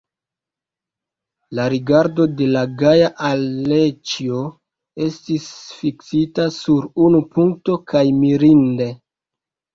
La rigardo de la gaja Aleĉjo estis fiksita sur unu punkto, kaj mirinde!